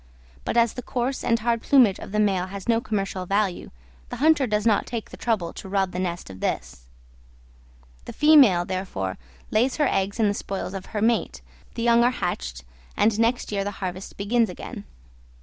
But as the coarse and hard plumage of the male has no commercial value, the hunter does not take the trouble to rob the nest of this; the female therefore lays her eggs in the spoils of her mate, the young are hatched, and next year the harvest begins again.